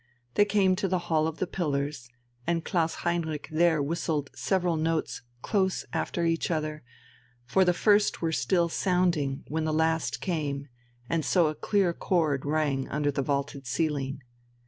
They came to the hall of the pillars, and Klaus Heinrich there whistled several notes close after each other, for the first were still sounding when the last came, and so a clear chord rang under the vaulted ceiling.